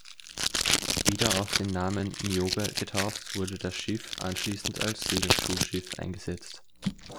Wieder auf den Namen "Niobe" getauft, wurde das Schiff anschließend als Segelschulschiff eingesetzt.